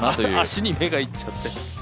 足に目がいっちゃって。